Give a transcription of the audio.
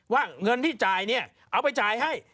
ว่าเงินที่จ่ายเนี่ยเอาไปจ่ายให้